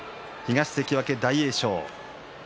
東の関脇大栄翔。